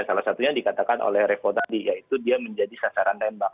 salah satunya dikatakan oleh revo tadi yaitu dia menjadi sasaran tembak